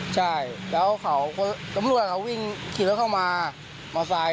ใช่แล้วเขาตำรวจเขาวิ่งขีดรถเข้ามามาใส่